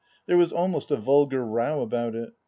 There was almost a vulgar row about it.